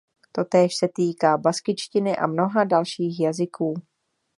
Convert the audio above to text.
Totéž se týká i baskičtiny a mnoha dalších jazyků.